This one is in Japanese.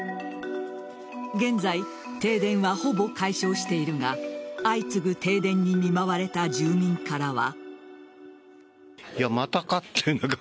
現在、停電はほぼ解消しているが相次ぐ停電に見舞われた住民からは。